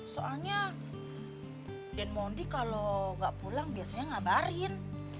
soalnya den mondi kalau nggak pulang biasanya ngabarin